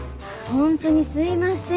ホントにすいません